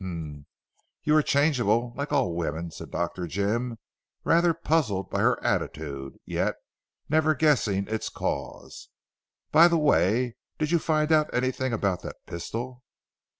"Humph! You are changeable, like all women," said Dr. Jim rather puzzled by her attitude, yet never guessing its cause. "By the way, did you find out anything about that pistol?"